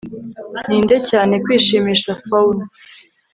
Ninde cyane kwishimisha Faun